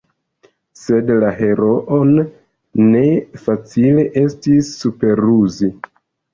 Sed la heroon ne facile estis superruzi.